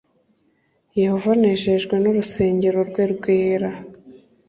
Yehova anejejwe n urusengero rwe rwera